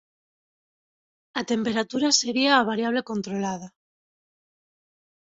A temperatura sería a variable controlada.